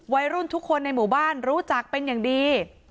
วัยรุ่นทุกคนในหมู่บ้านรู้จักเป็นอย่างดี